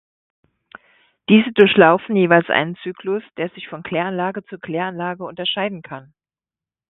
Diese durchlaufen jeweils einen Zyklus, der sich von Kläranlage zu Kläranlage unterscheiden kann.